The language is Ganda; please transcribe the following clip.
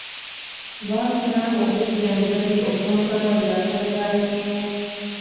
Baafuna obujjanjabi okuva mu kalwaliro akaliraanyeewo.